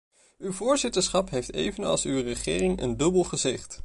Uw voorzitterschap heeft evenals uw regering een dubbel gezicht.